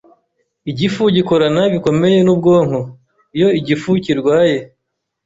Igifu gikorana bikomeye n’ubwonko; iyo igifu kirwaye,